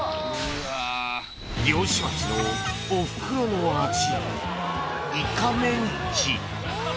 ［漁師町のおふくろの味］